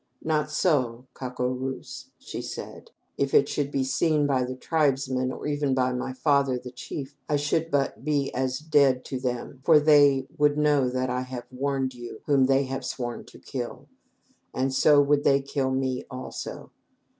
"Not so, Cau co rouse," she said, "if it should be seen by my tribesmen, or even by my father, the chief, I should but be as dead to them, for they would know that I have warned you whom they have sworn to kill, and so would they kill me also.